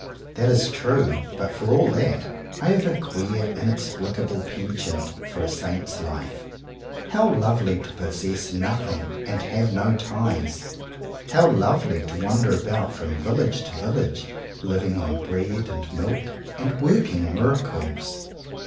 That is true; but, for all that, I have a queer inexplicable penchant for a saint's life. How lovely to possess noth ing, and to have no ties! How lovely to wander about from village to village, living on bread and milk, and working miracles!